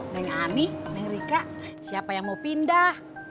neng ani neng rika siapa yang mau pindah